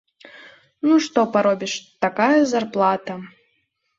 Ну што паробіш, такая зарплата!